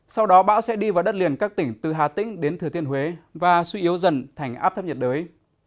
sau đó bão sẽ đi vào đất liền các tỉnh từ hà tĩnh đến thừa thiên huế và suy yếu dần thành áp thấp nhiệt đới